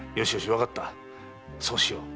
わかったそうしよう。